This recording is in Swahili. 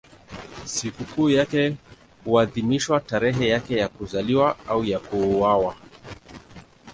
Sikukuu yake huadhimishwa tarehe yake ya kuzaliwa au ya kuuawa.